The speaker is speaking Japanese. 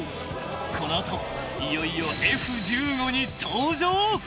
［この後いよいよＦ−１５に搭乗］